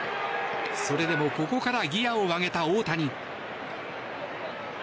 それでもここからギアを上げた大谷。